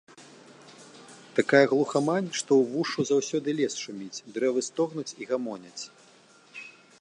Такая глухамань, што ўвушшу заўсёды лес шуміць, дрэвы стогнуць і гамоняць.